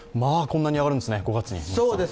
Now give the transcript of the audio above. こんなに上がるんですね、５月に。